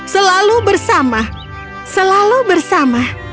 selalu bersama selalu bersama